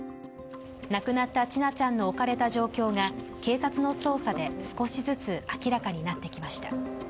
亡くなった千奈ちゃんの置かれた状況が警察の捜査で少しずつ明らかになってきました。